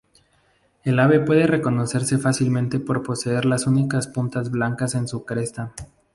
El ave puede reconocerse fácilmente por poseer las únicas puntas blancas en su cresta.